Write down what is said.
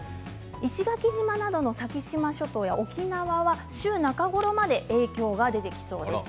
石垣島などの先島諸島や沖縄は週の半ばまで影響が出てきそうです。